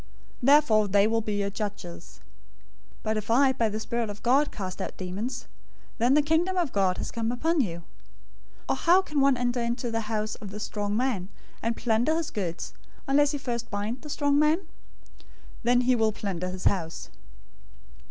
Therefore they will be your judges. 012:028 But if I by the Spirit of God cast out demons, then the Kingdom of God has come upon you. 012:029 Or how can one enter into the house of the strong man, and plunder his goods, unless he first bind the strong man? Then he will plunder his house.